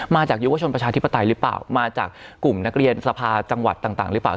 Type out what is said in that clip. ยุวชนประชาธิปไตยหรือเปล่ามาจากกลุ่มนักเรียนสภาจังหวัดต่างหรือเปล่า